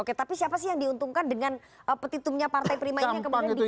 oke tapi siapa sih yang diuntungkan dengan petitumnya partai prima ini yang kemudian dipilih